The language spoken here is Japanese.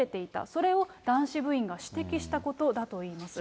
それを男子部員が指摘したことだといいます。